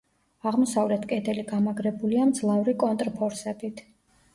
აღმოსავლეთ კედელი გამაგრებულია მძლავრი კონტრფორსებით.